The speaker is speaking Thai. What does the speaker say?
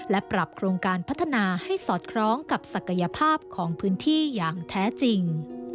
และปรับโครงการพัฒนาให้สอดคล้องกับศักยภาพของพื้นที่อย่างแท้จริง